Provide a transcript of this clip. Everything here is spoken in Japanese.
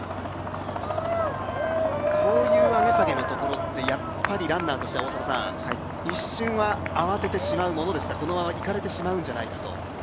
こういう上げ下げのところってやっぱり、ランナーとして一瞬は、慌ててしまうものですかこのまま行かれてしまうんじゃないかと。